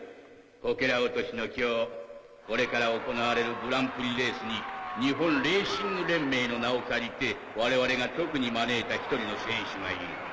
こけら落としの今日これから行われるグランプリレースに日本レーシング連盟の名を借りて我々が特に招いた１人の選手がいる。